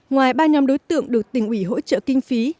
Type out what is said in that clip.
ngoài ba nhóm đối tượng được tỉnh ủy hỗ trợ kinh phí